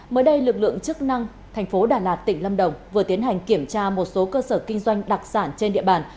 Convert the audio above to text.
mới đây lực lượng chức năng thành phố đà lạt tỉnh lâm đồng vừa tiến hành kiểm tra một số cơ sở kinh doanh đặc sản trên địa bàn